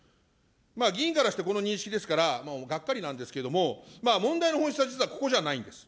議員からして、この認識ですから、がっかりなんですけれども、問題の本質は、実はここじゃないんです。